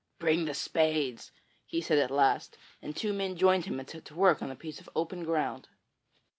'Bring the spades,' he said at last, and two men joined him and set to work on a piece of open ground.